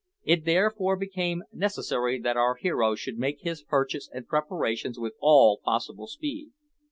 It therefore became necessary that our hero should make his purchases and preparations with all possible speed.